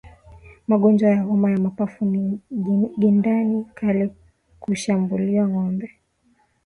Magonjwa ya homa ya mapafu na ndigana kali hushambulia ngombe